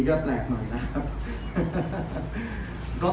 ก็แปลกหน่อยนะครับ